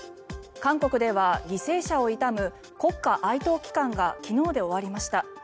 韓国では犠牲者を悼む国家哀悼期間が昨日で終わりました。